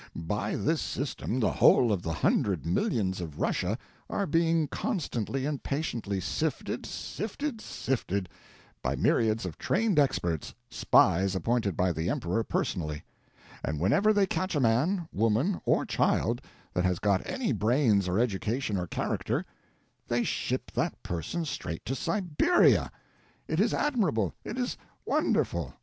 By this system the whole of the hundred millions of Russia are being constantly and patiently sifted, sifted, sifted, by myriads of trained experts, spies appointed by the Emperor personally; and whenever they catch a man, woman or child that has got any brains or education or character, they ship that person straight to Siberia. It is admirable, it is wonderful.